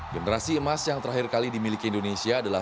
generasi emas yang terakhir kali dimiliki indonesia adalah